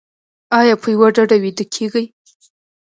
ایا په یوه ډډه ویده کیږئ؟